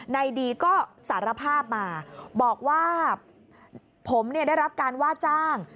ดีก็สารภาพมาบอกว่าผมได้รับการว่าจ้าง